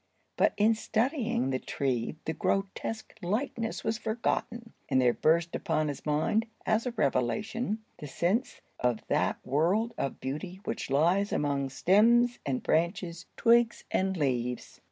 But in studying the tree the grotesque likeness was forgotten, and there burst upon his mind, as a revelation, the sense of that world of beauty which lies among stems and branches, twigs and leaves.